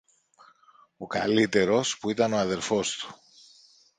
Ο καλύτερος, που ήταν ο αδελφός του